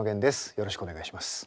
よろしくお願いします。